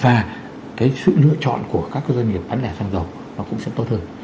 và cái sự lựa chọn của các doanh nghiệp bán lẻ xăng dầu nó cũng sẽ tốt hơn